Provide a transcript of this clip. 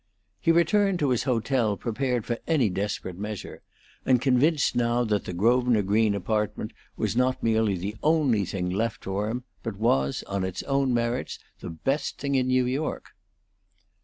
He returned to his hotel prepared for any desperate measure, and convinced now that the Grosvenor Green apartment was not merely the only thing left for him, but was, on its own merits, the best thing in New York.